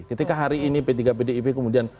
ketika hari ini p tiga pdip kemudian